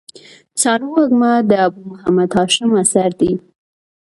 سالو وږمه د ابو محمد هاشم اثر دﺉ.